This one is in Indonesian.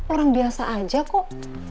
orang biasa aja kok